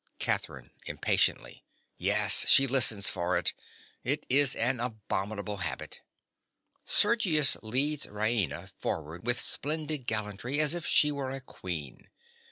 CATHERINE. (impatiently). Yes: she listens for it. It is an abominable habit. (_Sergius leads Raina forward with splendid gallantry, as if she were a queen.